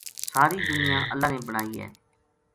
ساری دنیا اللہ نے بنائی ہے۔